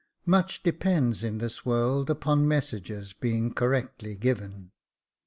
Much depends in this world upon messages being correctly given.